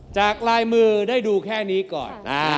จากลายมือได้ดูแค่นี้ก่อน